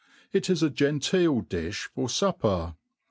It is a gen teel di(h for fupper.